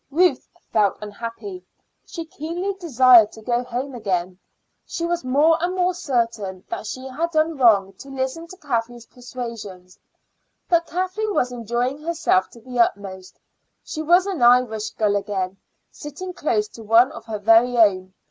Ruth felt unhappy; she keenly desired to go home again. She was more and more certain that she had done wrong to listen to Kathleen's persuasions. But Kathleen was enjoying herself to the utmost. She was an Irish girl again, sitting close to one of her very own.